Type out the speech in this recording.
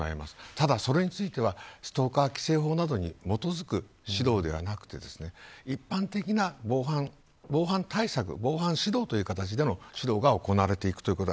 ただ、それについてはストーカー規制法などに基づく指導ではなくて一般的な防犯対策、防犯指導という形で行われていきます。